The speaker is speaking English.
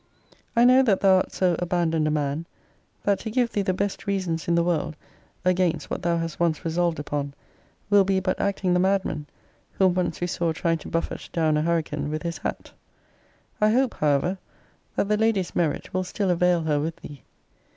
I know that thou art so abandoned a man, that to give thee the best reasons in the world against what thou hast once resolved upon will be but acting the madman whom once we saw trying to buffet down a hurricane with his hat. I hope, however, that the lady's merit will still avail her with thee.